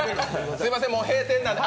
すいませんもう閉店なんで。